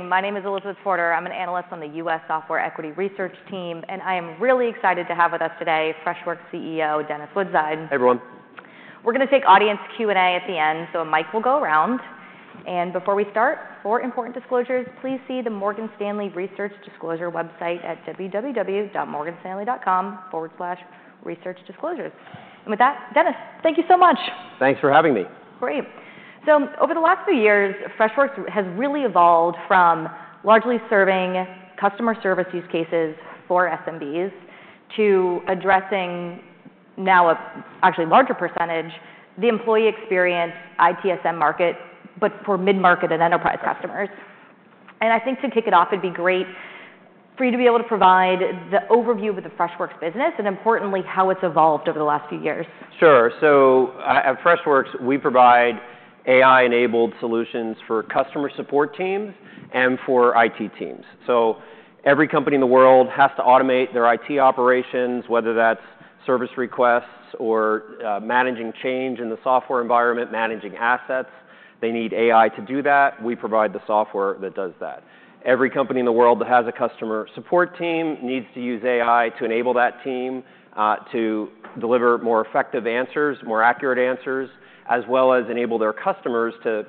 My name is Elizabeth Porter. I'm an analyst on the U.S. Software Equity Research team, and I am really excited to have with us today Freshworks CEO Dennis Woodside. Hey, everyone. We're going to take audience Q&A at the end, so a mic will go around. And before we start, for important disclosures, please see the Morgan Stanley Research Disclosure website at www.morganstanley.com/researchdisclosures. And with that, Dennis, thank you so much. Thanks for having me. Great. So over the last few years, Freshworks has really evolved from largely serving customer service use cases for SMBs to addressing now, actually, a larger percentage of the employee experience ITSM market, but for mid-market and enterprise customers. And I think to kick it off, it'd be great for you to be able to provide the overview of the Freshworks business and, importantly, how it's evolved over the last few years. Sure, so at Freshworks, we provide AI-enabled solutions for customer support teams and for IT teams, so every company in the world has to automate their IT operations, whether that's service requests or managing change in the software environment, managing assets. They need AI to do that. We provide the software that does that. Every company in the world that has a customer support team needs to use AI to enable that team to deliver more effective answers, more accurate answers, as well as enable their customers to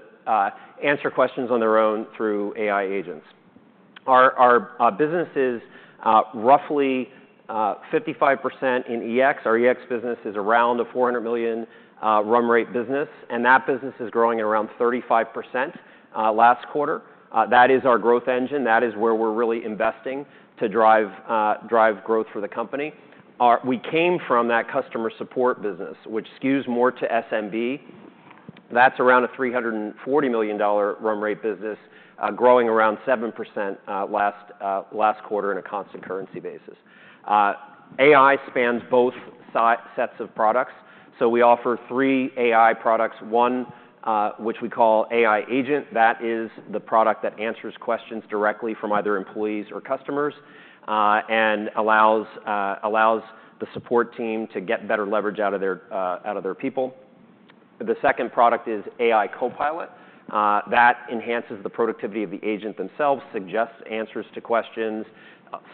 answer questions on their own through AI agents. Our business is roughly 55% in EX. Our EX business is around a $400 million run rate business, and that business is growing at around 35% last quarter. That is our growth engine. That is where we're really investing to drive growth for the company. We came from that customer support business, which skews more to SMB. That's around a $340 million run rate business, growing around 7% last quarter on a constant currency basis. AI spans both sets of products, so we offer three AI products, one which we call AI Agent. That is the product that answers questions directly from either employees or customers and allows the support team to get better leverage out of their people. The second product is AI Copilot. That enhances the productivity of the agent themselves, suggests answers to questions,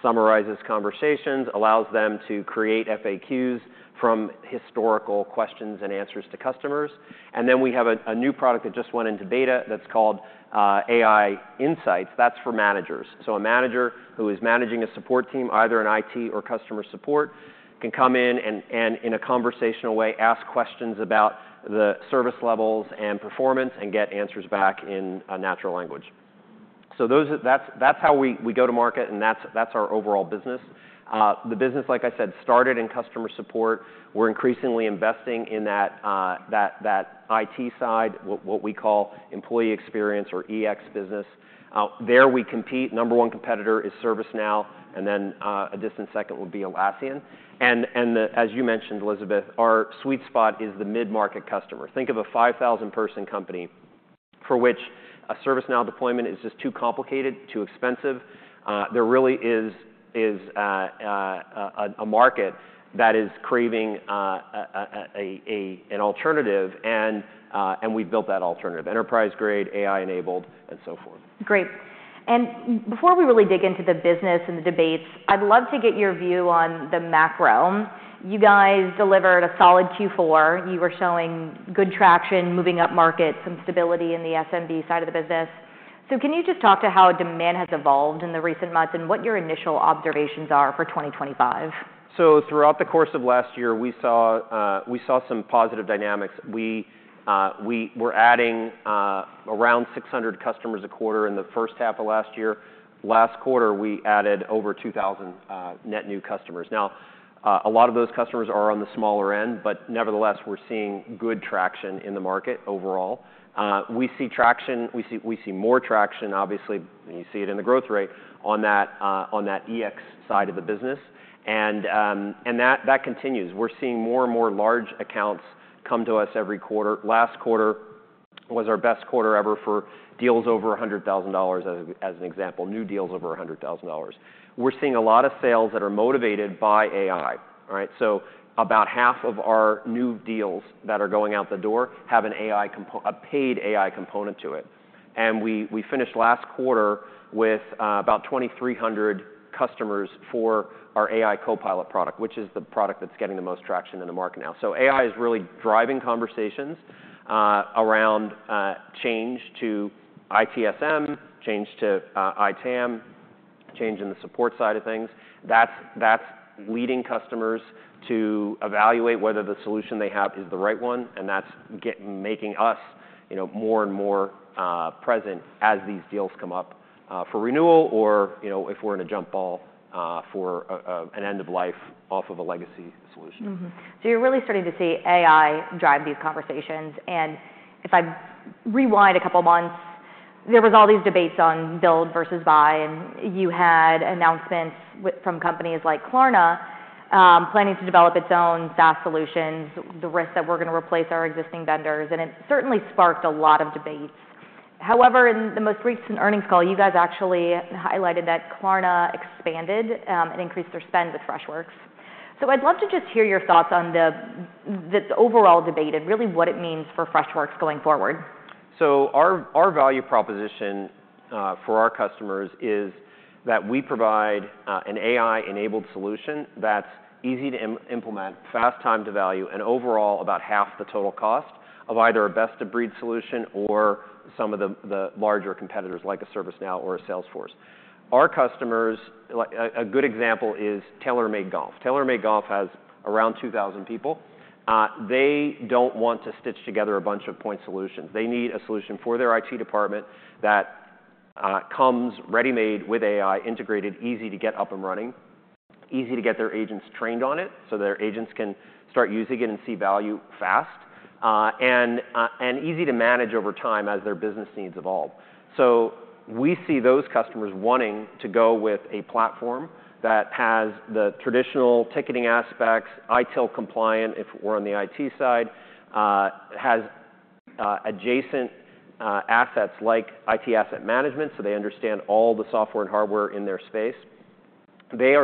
summarizes conversations, allows them to create FAQs from historical questions and answers to customers, and then we have a new product that just went into beta that's called AI Insights. That's for managers. So a manager who is managing a support team, either in IT or customer support, can come in and, in a conversational way, ask questions about the service levels and performance and get answers back in natural language. So that's how we go to market, and that's our overall business. The business, like I said, started in customer support. We're increasingly investing in that IT side, what we call employee experience or EX business. There we compete. Number one competitor is ServiceNow, and then a distant second would be Atlassian. And as you mentioned, Elizabeth, our sweet spot is the mid-market customer. Think of a 5,000-person company for which a ServiceNow deployment is just too complicated, too expensive. There really is a market that is craving an alternative, and we've built that alternative: enterprise grade, AI-enabled, and so forth. Great. And before we really dig into the business and the debates, I'd love to get your view on the macro. You guys delivered a solid Q4. You were showing good traction, moving up market, some stability in the SMB side of the business. So can you just talk to how demand has evolved in the recent months and what your initial observations are for 2025? So throughout the course of last year, we saw some positive dynamics. We were adding around 600 customers a quarter in the first half of last year. Last quarter, we added over 2,000 net new customers. Now, a lot of those customers are on the smaller end, but nevertheless, we're seeing good traction in the market overall. We see traction. We see more traction, obviously. You see it in the growth rate on that EX side of the business. And that continues. We're seeing more and more large accounts come to us every quarter. Last quarter was our best quarter ever for deals over $100,000, as an example, new deals over $100,000. We're seeing a lot of sales that are motivated by AI. So about half of our new deals that are going out the door have a paid AI component to it. We finished last quarter with about 2,300 customers for our AI Copilot product, which is the product that's getting the most traction in the market now. AI is really driving conversations around change to ITSM, change to ITAM, change in the support side of things. That's leading customers to evaluate whether the solution they have is the right one, and that's making us more and more present as these deals come up for renewal or if we're in a jump ball for an end of life off of a legacy solution. So you're really starting to see AI drive these conversations. And if I rewind a couple of months, there were all these debates on build versus buy, and you had announcements from companies like Klarna planning to develop its own SaaS solutions, the risk that we're going to replace our existing vendors. And it certainly sparked a lot of debates. However, in the most recent earnings call, you guys actually highlighted that Klarna expanded and increased their spend with Freshworks. So I'd love to just hear your thoughts on the overall debate and really what it means for Freshworks going forward. So our value proposition for our customers is that we provide an AI-enabled solution that's easy to implement, fast time to value, and overall about half the total cost of either a best-of-breed solution or some of the larger competitors like a ServiceNow or a Salesforce. Our customers, a good example is TaylorMade Golf. TaylorMade Golf has around 2,000 people. They don't want to stitch together a bunch of point solutions. They need a solution for their IT department that comes ready-made with AI, integrated, easy to get up and running, easy to get their agents trained on it so their agents can start using it and see value fast, and easy to manage over time as their business needs evolve. We see those customers wanting to go with a platform that has the traditional ticketing aspects, ITIL compliant if we're on the IT side, has adjacent assets like IT asset management so they understand all the software and hardware in their space. They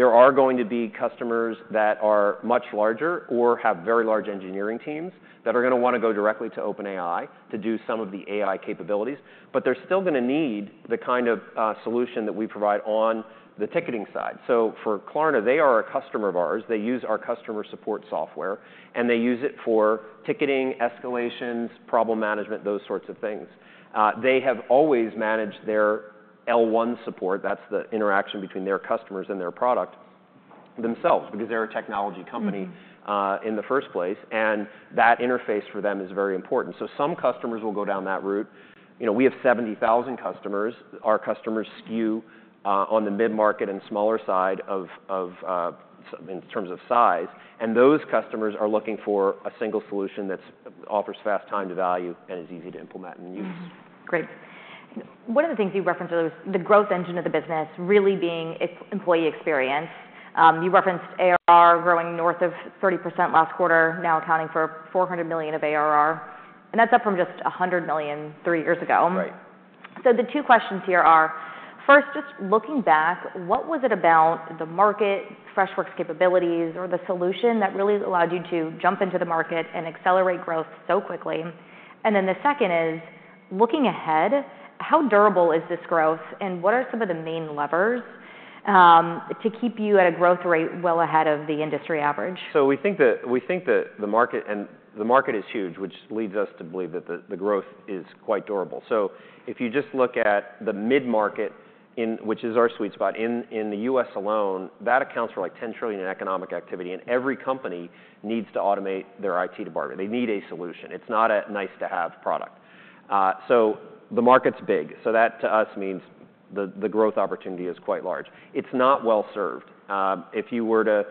are going to be customers that are much larger or have very large engineering teams that are going to want to go directly to OpenAI to do some of the AI capabilities, but they're still going to need the kind of solution that we provide on the ticketing side. For Klarna, they are a customer of ours. They use our customer support software, and they use it for ticketing, escalations, problem management, those sorts of things. They have always managed their L1 support. That's the interaction between their customers and their product themselves because they're a technology company in the first place, and that interface for them is very important. So some customers will go down that route. We have 70,000 customers. Our customers skew on the mid-market and smaller side in terms of size, and those customers are looking for a single solution that offers fast time to value and is easy to implement and use. Great. One of the things you referenced was the growth engine of the business really being employee experience. You referenced ARR growing north of 30% last quarter, now accounting for $400 million of ARR, and that's up from just $100 million three years ago. So the two questions here are, first, just looking back, what was it about the market, Freshworks capabilities, or the solution that really allowed you to jump into the market and accelerate growth so quickly? And then the second is, looking ahead, how durable is this growth, and what are some of the main levers to keep you at a growth rate well ahead of the industry average? So we think that the market is huge, which leads us to believe that the growth is quite durable. So if you just look at the mid-market, which is our sweet spot, in the U.S. alone, that accounts for like 10 trillion in economic activity, and every company needs to automate their IT department. They need a solution. It's not a nice-to-have product. So the market's big. So that, to us, means the growth opportunity is quite large. It's not well-served. If you were to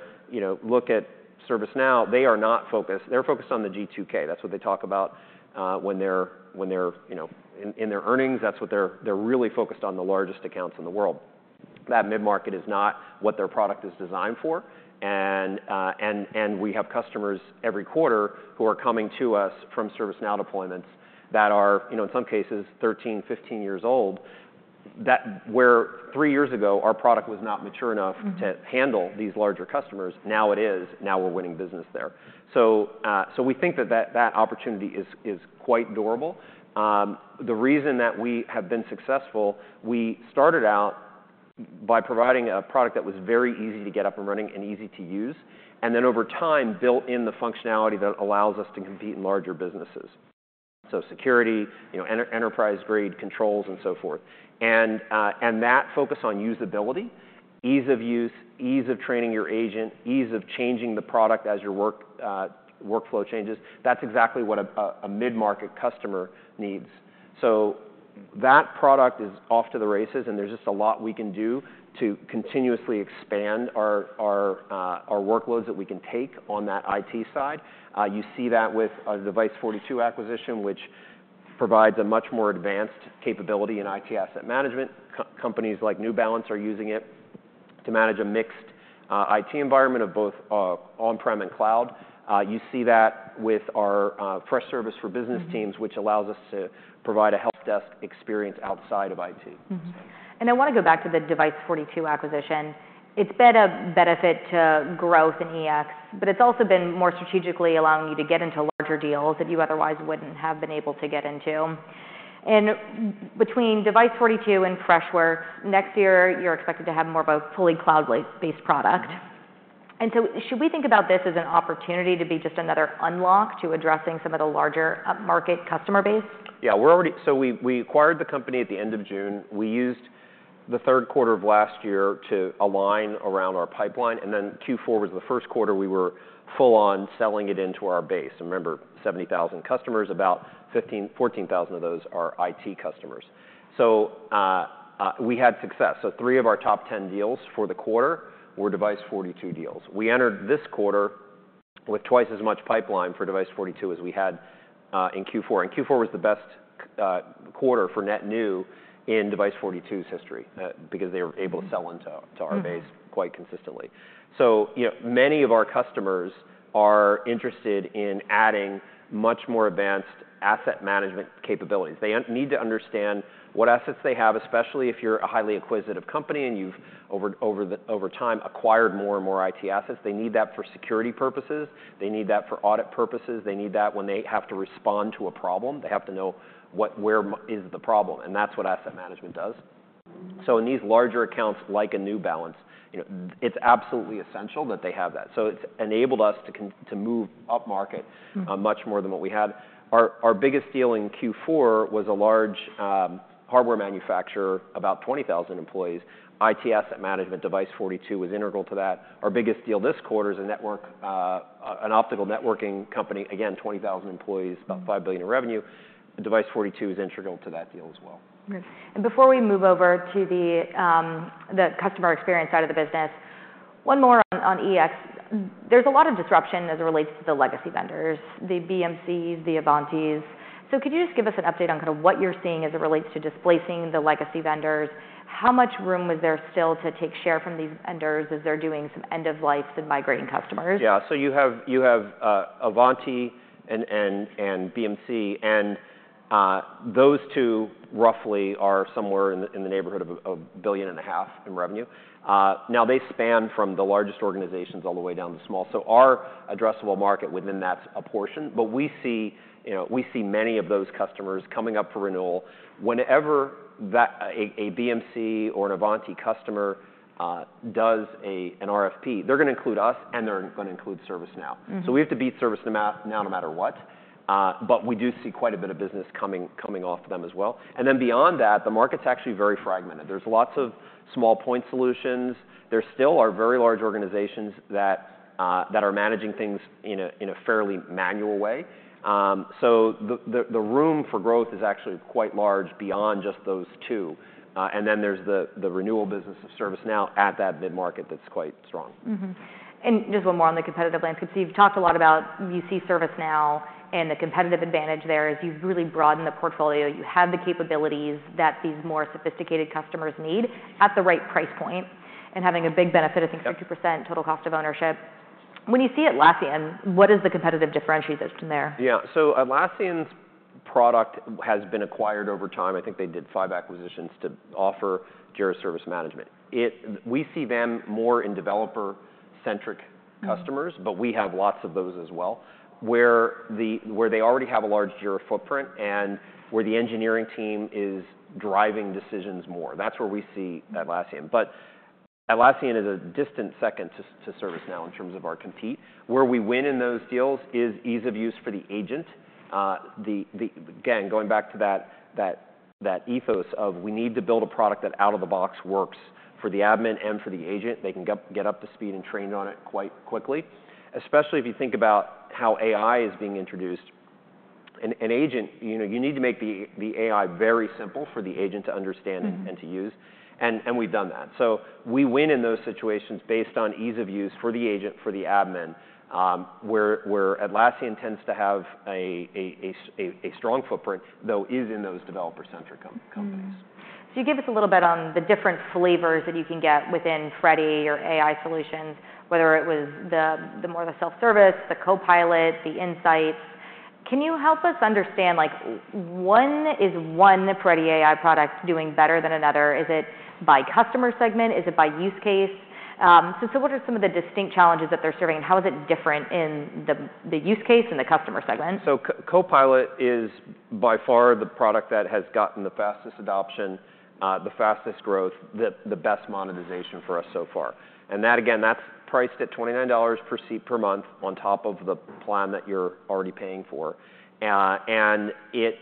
look at ServiceNow, they are not focused. They're focused on the G2K. That's what they talk about when they're in their earnings. That's what they're really focused on, the largest accounts in the world. That mid-market is not what their product is designed for. We have customers every quarter who are coming to us from ServiceNow deployments that are, in some cases, 13, 15 years old, where three years ago, our product was not mature enough to handle these larger customers. Now it is. Now we're winning business there, so we think that that opportunity is quite durable. The reason that we have been successful, we started out by providing a product that was very easy to get up and running and easy to use, and then over time, built in the functionality that allows us to compete in larger businesses, so security, enterprise-grade controls, and so forth, and that focus on usability, ease of use, ease of training your agent, ease of changing the product as your workflow changes, that's exactly what a mid-market customer needs. So that product is off to the races, and there's just a lot we can do to continuously expand our workloads that we can take on that IT side. You see that with a Device42 acquisition, which provides a much more advanced capability in IT asset management. Companies like New Balance are using it to manage a mixed IT environment of both on-prem and cloud. You see that with our Freshservice for Business Teams, which allows us to provide a help desk experience outside of IT. And I want to go back to the Device42 acquisition. It's been a benefit to growth in EX, but it's also been more strategically allowing you to get into larger deals that you otherwise wouldn't have been able to get into. And between Device42 and Freshworks, next year, you're expected to have more of a fully cloud-based product. And so should we think about this as an opportunity to be just another unlock to addressing some of the larger market customer base? Yeah. So we acquired the company at the end of June. We used the third quarter of last year to align around our pipeline. And then Q4 was the first quarter we were full-on selling it into our base. Remember, 70,000 customers, about 14,000 of those are IT customers. So we had success. So three of our top 10 deals for the quarter were Device42 deals. We entered this quarter with twice as much pipeline for Device42 as we had in Q4. And Q4 was the best quarter for net new in Device42's history because they were able to sell into our base quite consistently. So many of our customers are interested in adding much more advanced asset management capabilities. They need to understand what assets they have, especially if you're a highly acquisitive company and you've over time acquired more and more IT assets. They need that for security purposes. They need that for audit purposes. They need that when they have to respond to a problem. They have to know where is the problem. And that's what asset management does. So in these larger accounts like a New Balance, it's absolutely essential that they have that. So it's enabled us to move up market much more than what we had. Our biggest deal in Q4 was a large hardware manufacturer, about 20,000 employees. IT asset management, Device42, was integral to that. Our biggest deal this quarter is an optical networking company, again, 20,000 employees, about $5 billion in revenue. Device42 is integral to that deal as well. And before we move over to the customer experience side of the business, one more on EX. There's a lot of disruption as it relates to the legacy vendors, the BMCs, the Ivantis. So could you just give us an update on kind of what you're seeing as it relates to displacing the legacy vendors? How much room was there still to take share from these vendors as they're doing some end-of-life and migrating customers? Yeah. So you have Ivanti and BMC, and those two roughly are somewhere in the neighborhood of $1.5 billion in revenue. Now, they span from the largest organizations all the way down to small. So our addressable market within that's a portion, but we see many of those customers coming up for renewal. Whenever a BMC or an Ivanti customer does an RFP, they're going to include us, and they're going to include ServiceNow. So we have to beat ServiceNow no matter what, but we do see quite a bit of business coming off of them as well. And then beyond that, the market's actually very fragmented. There's lots of small point solutions. There still are very large organizations that are managing things in a fairly manual way. So the room for growth is actually quite large beyond just those two. There's the renewal business of ServiceNow at that mid-market that's quite strong. And just one more on the competitive landscape. So you've talked a lot about you see ServiceNow and the competitive advantage there as you've really broadened the portfolio. You have the capabilities that these more sophisticated customers need at the right price point and having a big benefit, I think, 50% total cost of ownership. When you see Atlassian, what is the competitive differentiation there? Yeah. So Atlassian's product has been acquired over time. I think they did five acquisitions to offer Jira Service Management. We see them more in developer-centric customers, but we have lots of those as well, where they already have a large Jira footprint and where the engineering team is driving decisions more. That's where we see Atlassian. But Atlassian is a distant second to ServiceNow in terms of our competition. Where we win in those deals is ease of use for the agent. Again, going back to that ethos of we need to build a product that out of the box works for the admin and for the agent. They can get up to speed and trained on it quite quickly, especially if you think about how AI is being introduced. An agent, you need to make the AI very simple for the agent to understand and to use, and we've done that. So we win in those situations based on ease of use for the agent, for the admin, where Atlassian tends to have a strong footprint, though is in those developer-centric companies. So you gave us a little bit on the different flavors that you can get within Freddy or AI solutions, whether it was the more of the self-service, the Copilot, the Insights. Can you help us understand how is one Freddy AI product doing better than another? Is it by customer segment? Is it by use case? So what are some of the distinct challenges that they're serving, and how is it different in the use case and the customer segment? So Copilot is by far the product that has gotten the fastest adoption, the fastest growth, the best monetization for us so far. And that, again, that's priced at $29 per seat per month on top of the plan that you're already paying for. And it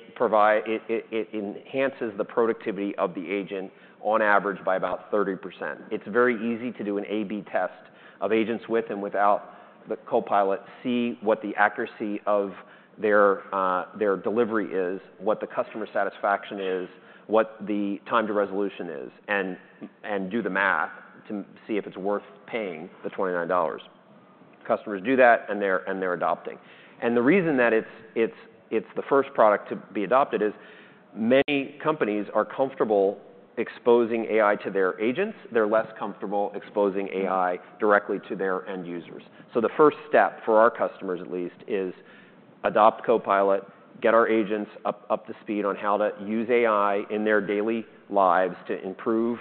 enhances the productivity of the agent on average by about 30%. It's very easy to do an A/B test of agents with and without the Copilot, see what the accuracy of their delivery is, what the customer satisfaction is, what the time to resolution is, and do the math to see if it's worth paying the $29. Customers do that, and they're adopting. And the reason that it's the first product to be adopted is many companies are comfortable exposing AI to their agents. They're less comfortable exposing AI directly to their end users. So the first step for our customers, at least, is adopt Copilot, get our agents up to speed on how to use AI in their daily lives to improve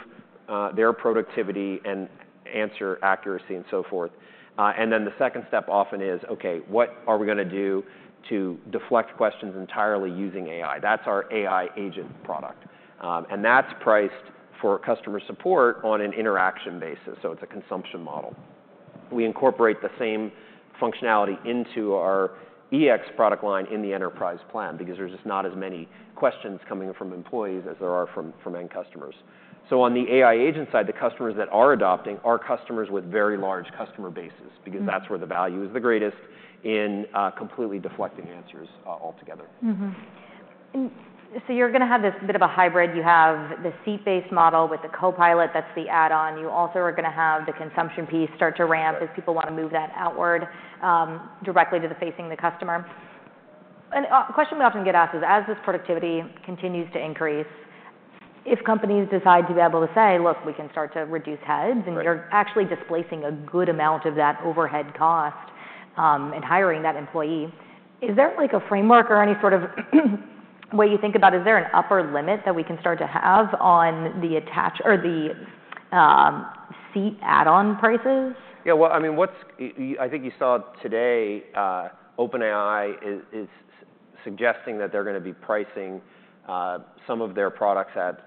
their productivity and answer accuracy and so forth. And then the second step often is, okay, what are we going to do to deflect questions entirely using AI? That's our AI Agent product. And that's priced for customer support on an interaction basis. So it's a consumption model. We incorporate the same functionality into our EX product line in the enterprise plan because there's just not as many questions coming from employees as there are from end customers. So on the AI Agent side, the customers that are adopting are customers with very large customer bases because that's where the value is the greatest in completely deflecting answers altogether. And so you're going to have this bit of a hybrid. You have the seat-based model with the Copilot that's the add-on. You also are going to have the consumption piece start to ramp as people want to move that outward directly to the facing the customer. A question we often get asked is, as this productivity continues to increase, if companies decide to be able to say, look, we can start to reduce heads, and you're actually displacing a good amount of that overhead cost and hiring that employee, is there a framework or any sort of way you think about, is there an upper limit that we can start to have on the attached or the seat add-on prices? Yeah. Well, I mean, I think you saw today OpenAI is suggesting that they're going to be pricing some of their products at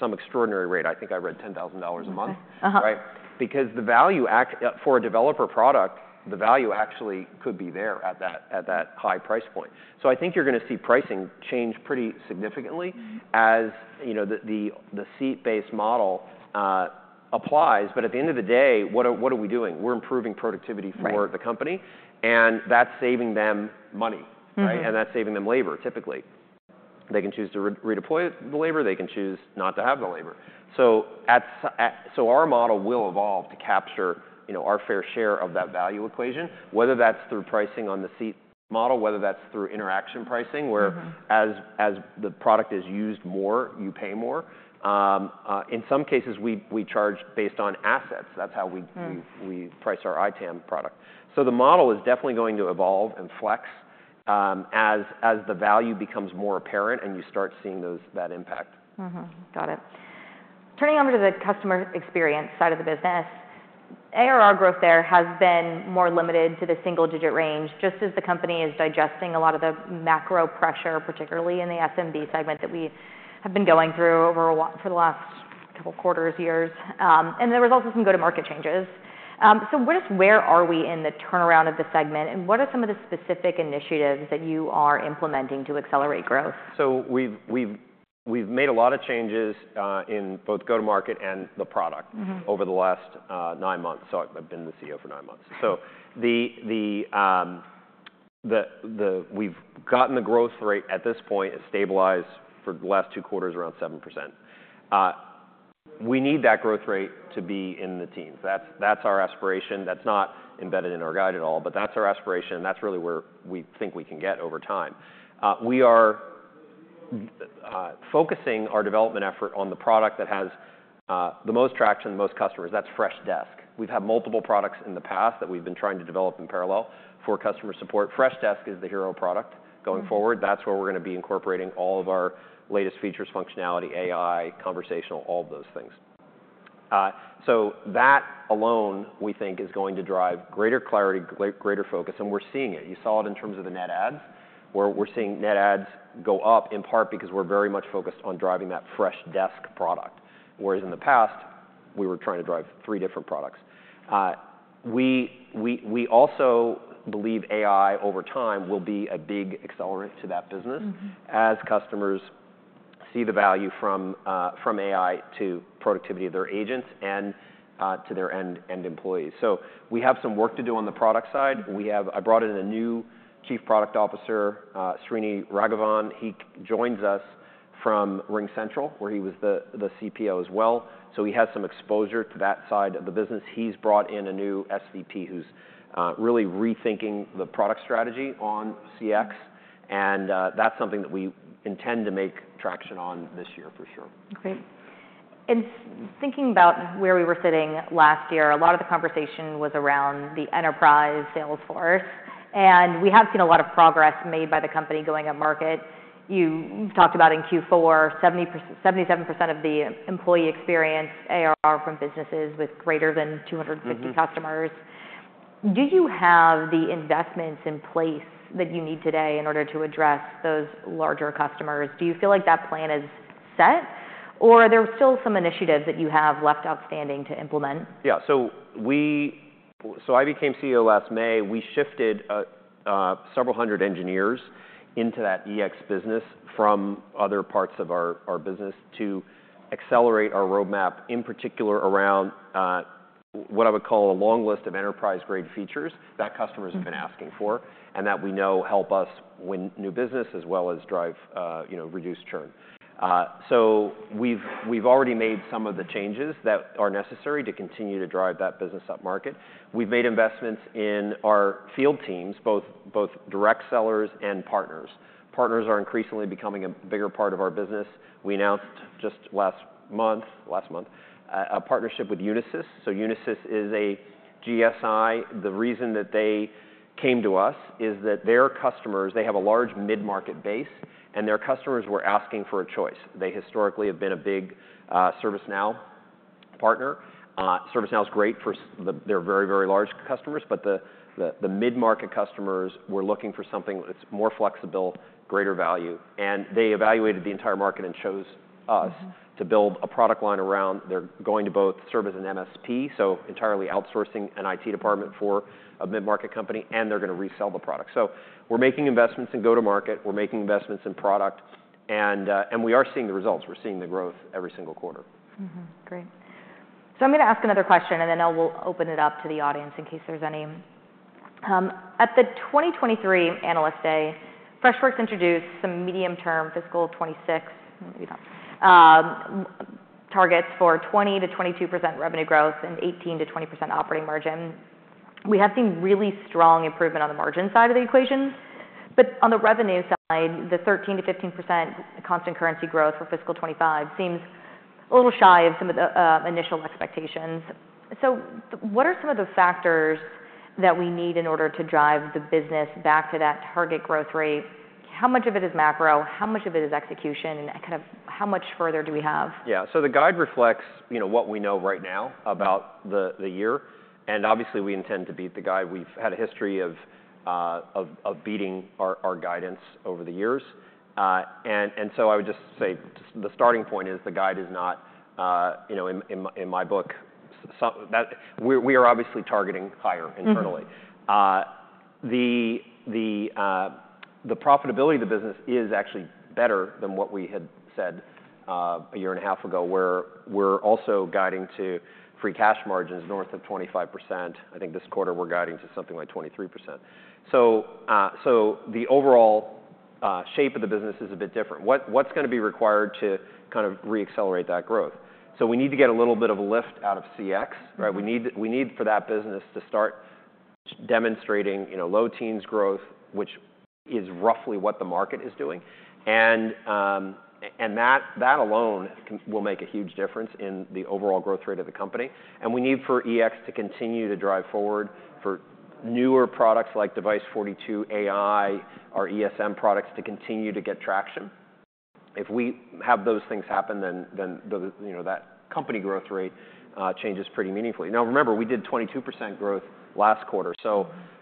some extraordinary rate. I think I read $10,000 a month, right? Because the value for a developer product, the value actually could be there at that high price point. So I think you're going to see pricing change pretty significantly as the seat-based model applies. But at the end of the day, what are we doing? We're improving productivity for the company, and that's saving them money, right? And that's saving them labor, typically. They can choose to redeploy the labor. They can choose not to have the labor. So our model will evolve to capture our fair share of that value equation, whether that's through pricing on the seat model, whether that's through interaction pricing, where as the product is used more, you pay more. In some cases, we charge based on assets. That's how we price our ITAM product. So the model is definitely going to evolve and flex as the value becomes more apparent and you start seeing that impact. Got it. Turning over to the customer experience side of the business, ARR growth there has been more limited to the single-digit range, just as the company is digesting a lot of the macro pressure, particularly in the SMB segment that we have been going through for the last couple of quarters, years, and there was also some go-to-market changes, so just where are we in the turnaround of the segment, and what are some of the specific initiatives that you are implementing to accelerate growth? We've made a lot of changes in both go-to-market and the product over the last nine months. I've been the CEO for nine months. We've gotten the growth rate at this point is stabilized for the last two quarters around 7%. We need that growth rate to be in the teens. That's our aspiration. That's not embedded in our guide at all, but that's our aspiration, and that's really where we think we can get over time. We are focusing our development effort on the product that has the most traction, the most customers. That's Freshdesk. We've had multiple products in the past that we've been trying to develop in parallel for customer support. Freshdesk is the hero product going forward. That's where we're going to be incorporating all of our latest features, functionality, AI, conversational, all of those things. So that alone, we think, is going to drive greater clarity, greater focus, and we're seeing it. You saw it in terms of the net adds, where we're seeing net adds go up in part because we're very much focused on driving that Freshdesk product, whereas in the past, we were trying to drive three different products. We also believe AI over time will be a big accelerant to that business as customers see the value from AI to productivity of their agents and to their end employees. So we have some work to do on the product side. I brought in a new chief product officer, Srini Raghavan. He joins us from RingCentral, where he was the CPO as well. So he has some exposure to that side of the business. He's brought in a new SVP who's really rethinking the product strategy on CX, and that's something that we intend to make traction on this year for sure. Great. And thinking about where we were sitting last year, a lot of the conversation was around the enterprise Salesforce, and we have seen a lot of progress made by the company going up market. You talked about in Q4, 77% of the employee experience ARR from businesses with greater than 250 customers. Do you have the investments in place that you need today in order to address those larger customers? Do you feel like that plan is set, or are there still some initiatives that you have left outstanding to implement? Yeah, so I became CEO last May. We shifted several hundred engineers into that EX business from other parts of our business to accelerate our roadmap, in particular around what I would call a long list of enterprise-grade features that customers have been asking for and that we know help us win new business as well as reduce churn. We've already made some of the changes that are necessary to continue to drive that business upmarket. We've made investments in our field teams, both direct sellers and partners. Partners are increasingly becoming a bigger part of our business. We announced just last month a partnership with Unisys. Unisys is a GSI. The reason that they came to us is that their customers, they have a large mid-market base, and their customers were asking for a choice. They historically have been a big ServiceNow partner. ServiceNow is great for their very, very large customers, but the mid-market customers were looking for something that's more flexible, greater value, and they evaluated the entire market and chose us to build a product line around. They're going to both serve as an MSP, so entirely outsourcing an IT department for a mid-market company, and they're going to resell the product, so we're making investments in go-to-market. We're making investments in product, and we are seeing the results. We're seeing the growth every single quarter. Great. So I'm going to ask another question, and then I'll open it up to the audience in case there's any. At the 2023 Analyst Day, Freshworks introduced some medium-term fiscal 26 targets for 20%-22% revenue growth and 18%-20% operating margin. We have seen really strong improvement on the margin side of the equation, but on the revenue side, the 13%-15% constant currency growth for fiscal 25 seems a little shy of some of the initial expectations. So what are some of the factors that we need in order to drive the business back to that target growth rate? How much of it is macro? How much of it is execution? And kind of how much further do we have? Yeah. So the guide reflects what we know right now about the year, and obviously, we intend to beat the guide. We've had a history of beating our guidance over the years. And so I would just say the starting point is the guide is not, in my book, we are obviously targeting higher internally. The profitability of the business is actually better than what we had said a year and a half ago, where we're also guiding to free cash margins north of 25%. I think this quarter we're guiding to something like 23%. So the overall shape of the business is a bit different. What's going to be required to kind of re-accelerate that growth? So we need to get a little bit of a lift out of CX, right? We need for that business to start demonstrating low teens growth, which is roughly what the market is doing. And that alone will make a huge difference in the overall growth rate of the company. And we need for EX to continue to drive forward for newer products like Device42 AI, our ESM products to continue to get traction. If we have those things happen, then that company growth rate changes pretty meaningfully. Now, remember, we did 22% growth last quarter. So there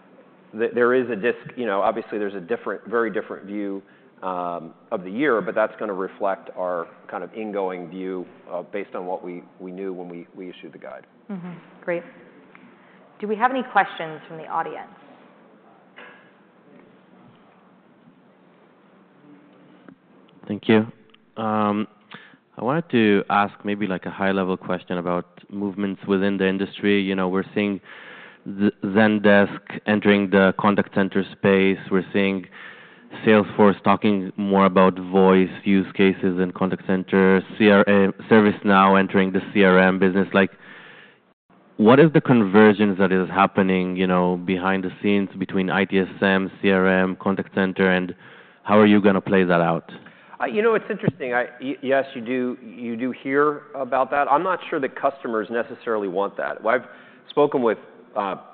is a disconnect, obviously, there's a very different view of the year, but that's going to reflect our kind of going-in view based on what we knew when we issued the guidance. Great. Do we have any questions from the audience? Thank you. I wanted to ask maybe like a high-level question about movements within the industry. We're seeing Zendesk entering the contact center space. We're seeing Salesforce talking more about voice use cases and contact center, ServiceNow entering the CRM business. What is the convergence that is happening behind the scenes between ITSM, CRM, contact center, and how are you going to play that out? You know, it's interesting. Yes, you do hear about that. I'm not sure that customers necessarily want that. I've spoken with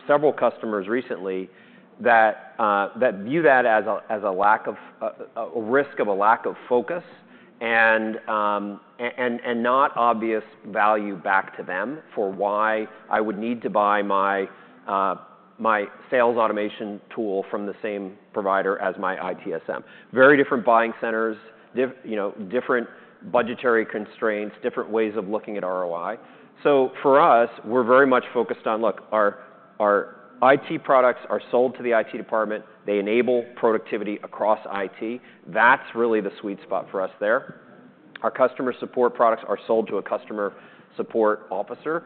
several customers recently that view that as a risk of a lack of focus and not obvious value back to them for why I would need to buy my sales automation tool from the same provider as my ITSM. Very different buying centers, different budgetary constraints, different ways of looking at ROI. So for us, we're very much focused on, look, our IT products are sold to the IT department. They enable productivity across IT. That's really the sweet spot for us there. Our customer support products are sold to a customer support officer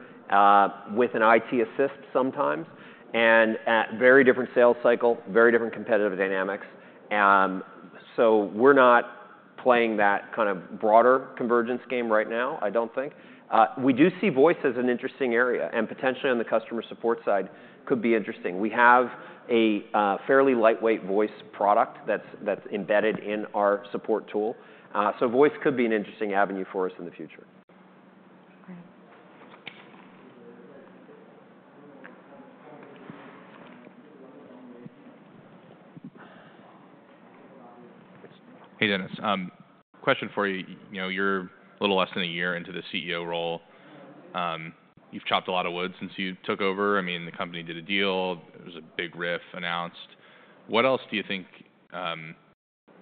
with an IT assist sometimes and at very different sales cycle, very different competitive dynamics. So we're not playing that kind of broader convergence game right now, I don't think. We do see voice as an interesting area, and potentially on the customer support side could be interesting. We have a fairly lightweight voice product that's embedded in our support tool. So voice could be an interesting avenue for us in the future. Great. Hey, Dennis. Question for you. You're a little less than a year into the CEO role. You've chopped a lot of wood since you took over. I mean, the company did a deal. There was a big RIF announced. What else do you think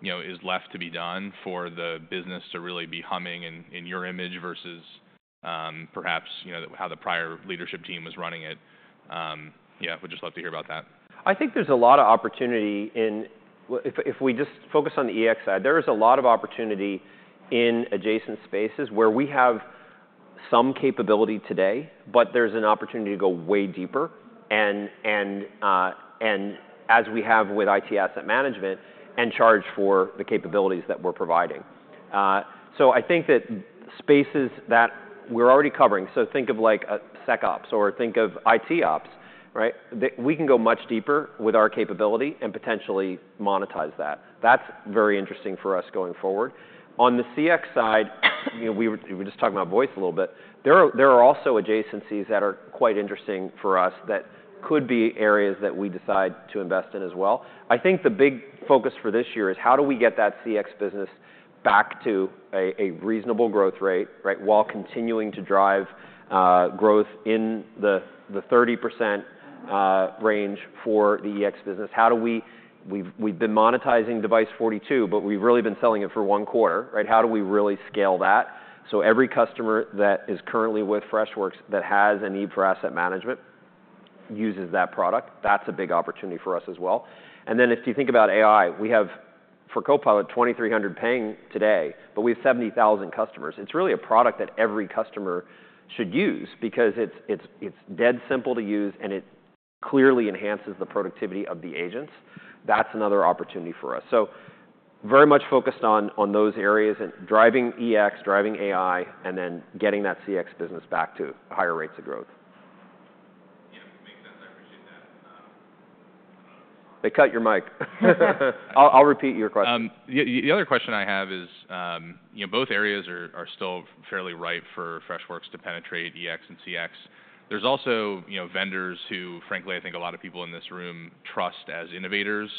is left to be done for the business to really be humming in your image versus perhaps how the prior leadership team was running it? Yeah, we'd just love to hear about that. I think there's a lot of opportunity in, if we just focus on the EX side, there is a lot of opportunity in adjacent spaces where we have some capability today, but there's an opportunity to go way deeper and as we have with IT asset management and charge for the capabilities that we're providing. So I think that spaces that we're already covering, so think of like SecOps or think of IT Ops, right? We can go much deeper with our capability and potentially monetize that. That's very interesting for us going forward. On the CX side, we were just talking about voice a little bit. There are also adjacencies that are quite interesting for us that could be areas that we decide to invest in as well. I think the big focus for this year is how do we get that CX business back to a reasonable growth rate, right, while continuing to drive growth in the 30% range for the EX business? How do we, we've been monetizing Device42, but we've really been selling it for one quarter, right? How do we really scale that? So every customer that is currently with Freshworks that has a need for asset management uses that product. That's a big opportunity for us as well. And then if you think about AI, we have for Copilot 2,300 paying today, but we have 70,000 customers. It's really a product that every customer should use because it's dead simple to use and it clearly enhances the productivity of the agents. That's another opportunity for us. So very much focused on those areas and driving EX, driving AI, and then getting that CX business back to higher rates of growth. Yeah, makes sense. I appreciate that. They cut your mic. I'll repeat your question. The other question I have is both areas are still fairly ripe for Freshworks to penetrate EX and CX. There's also vendors who, frankly, I think a lot of people in this room trust as innovators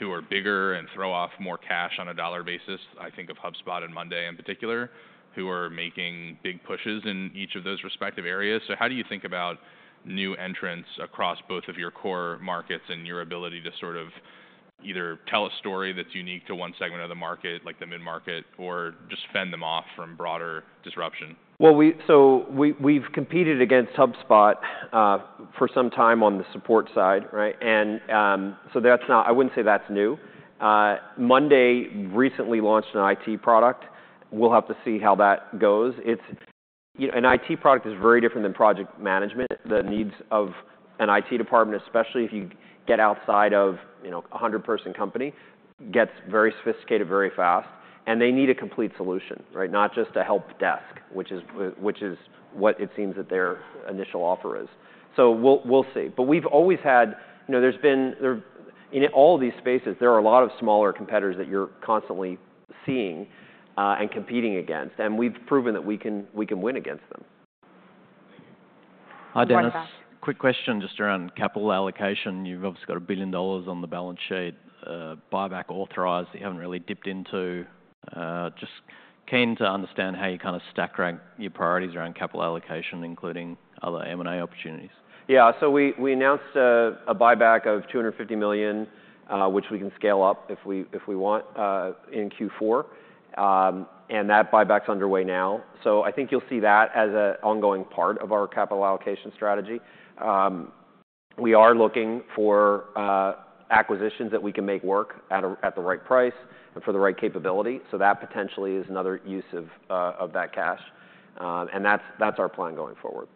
who are bigger and throw off more cash on a dollar basis. I think of HubSpot and Monday in particular, who are making big pushes in each of those respective areas. So how do you think about new entrants across both of your core markets and your ability to sort of either tell a story that's unique to one segment of the market, like the mid-market, or just fend them off from broader disruption? We've competed against HubSpot for some time on the support side, right? I wouldn't say that's new. Monday recently launched an IT product. We'll have to see how that goes. An IT product is very different than project management. The needs of an IT department, especially if you get outside of a 100-person company, get very sophisticated very fast, and they need a complete solution, right? Not just a help desk, which is what it seems that their initial offer is. We'll see. We've always had in all of these spaces, there are a lot of smaller competitors that you're constantly seeing and competing against, and we've proven that we can win against them. Hi, Dennis. Quick question just around capital allocation. You've obviously got $1 billion on the balance sheet, buyback authorized. You haven't really dipped into. Just keen to understand how you kind of stack rank your priorities around capital allocation, including other M&A opportunities? Yeah. So we announced a buyback of $250 million, which we can scale up if we want in Q4, and that buyback's underway now. So I think you'll see that as an ongoing part of our capital allocation strategy. We are looking for acquisitions that we can make work at the right price and for the right capability. So that potentially is another use of that cash. And that's our plan going forward.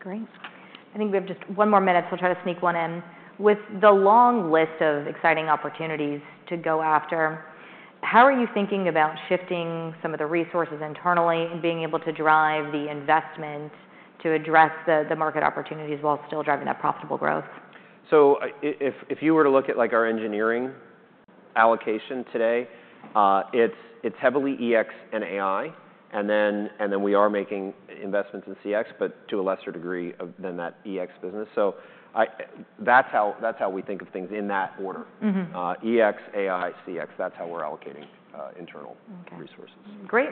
Great. I think we have just one more minute, so I'll try to sneak one in. With the long list of exciting opportunities to go after, how are you thinking about shifting some of the resources internally and being able to drive the investment to address the market opportunities while still driving that profitable growth? So if you were to look at our engineering allocation today, it's heavily EX and AI, and then we are making investments in CX, but to a lesser degree than that EX business. So that's how we think of things in that order. EX, AI, CX, that's how we're allocating internal resources. Great.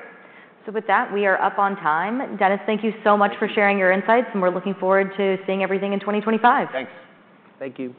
So with that, we are up on time. Dennis, thank you so much for sharing your insights, and we're looking forward to seeing everything in 2025. Thanks. Thank you.